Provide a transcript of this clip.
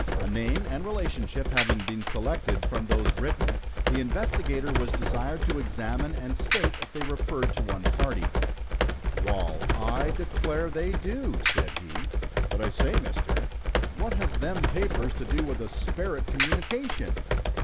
A name and relationship having been selected from those written, the investigator was desired to examine and state if they referred to one party. "Wal, I declare they do!" said he. "But I say Mister, what has them papers to do with a sperit communication?"